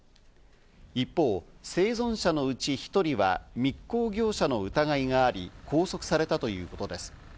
一方、生存者のうち１人は密航業者の疑いがあり、拘束されたということです。